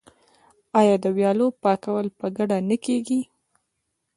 آیا د ویالو پاکول په ګډه نه کیږي؟